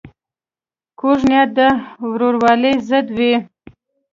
کوږه نیت د ورورولۍ ضد وي